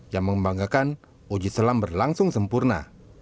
yang membanggakan uji selam berlangsung sempurna